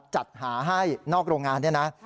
จัดหาให้นอกโรงงานเนี่ยนะ